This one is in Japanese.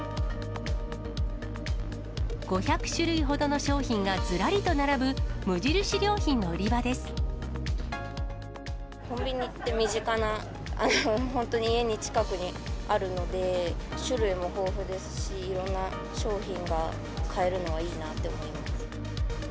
５００種類ほどの商品がずらりと並ぶ、コンビニって身近な、本当に家の近くにあるので、種類も豊富ですし、いろんな商品が買えるのはいいなって思います。